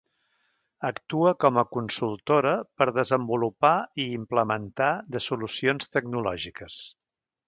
Actua com a consultora per desenvolupar i implementar de solucions tecnològiques.